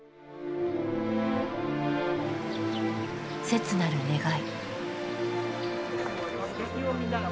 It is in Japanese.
切なる願い